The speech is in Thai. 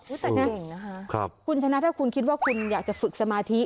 แต่งานเก่งนะคะคุณชนะถ้าคุณคิดว่าคุณอยากจะฝึกสมาธิ